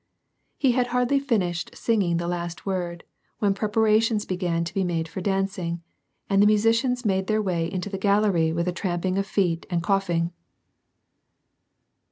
^ He had hardly finished singing the last word, when prepara tions began to be made for dancing, and the musicians made their way into the gallery with a trampling of feet, and coaghing.